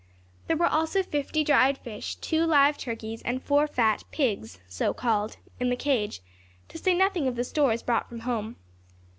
There were also fifty dried fish, two live turkeys, and four fat "pigs" (so called) in the cage, to say nothing of the stores brought from home.